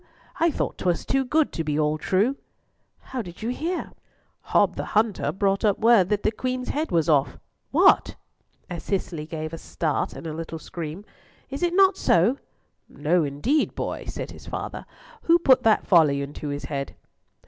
I thought 'twas too good to be all true." "How did you hear?" "Hob the hunter brought up word that the Queen's head was off. What?" as Cicely gave a start and little scream. "Is it not so?" "No, indeed, boy," said his father. "What put that folly into his head?"